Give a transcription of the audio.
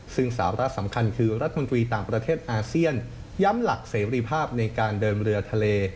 ซึ่งสาระสำคัญคือรัฐมนตรีต่างประเทศอาเซียนย้ำหลักเสรีภาพในการเดินเรือทะเล